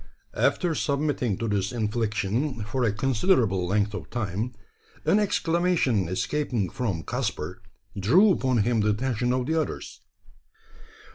After submitting to this infliction for a considerable length of time, an exclamation escaping from Caspar drew upon him the attention of the others.